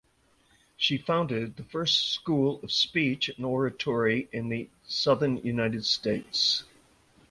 She founded the first school of speech and oratory in the Southern United States.